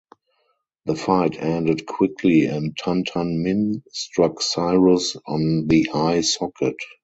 The fight ended quickly and Tun Tun Min struck Cyrus on the eye socket.